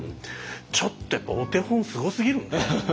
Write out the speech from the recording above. ちょっとやっぱお手本すごすぎるんで。